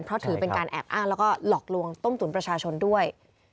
ก็ถือเป็นการแอบอ้างและหลอกลวงต้มตุนประชาชนด้วย